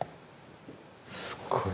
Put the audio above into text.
すごい。